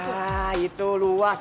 wah itu luas